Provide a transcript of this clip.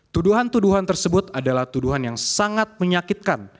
tuduhan tuduhan tersebut adalah tuduhan yang sangat menyakitkan